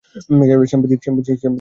Champagne দিন, পাঁচ glass.